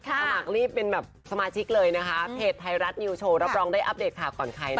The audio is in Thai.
สมัครรีบเป็นแบบสมาชิกเลยนะคะเพจไทยรัฐนิวโชว์รับรองได้อัปเดตข่าวก่อนใครนะคะ